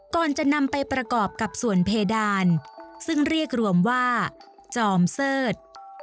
ก่อนจะนำไปประกอบกับส่วนเพดานซึ่งเรียกรวมว่าจอมเสิร์ธ